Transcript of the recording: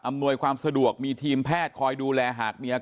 อำนวยความสะดวกมีทีมแพทย์คอยดูแลฮัต